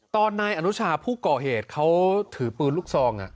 นายอนุชาผู้ก่อเหตุเขาถือปืนลูกซอง